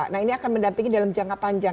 nah ini akan mendampingi dalam jangka panjang